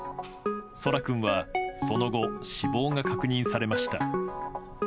奏良君はその後、死亡が確認されました。